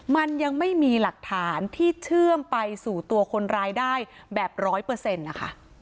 มันยังไม่มีหลักฐานที่เชื่อมไปสู่ตัวคนร้ายได้แบบร้อยเปอร์เซ็นต์นะคะ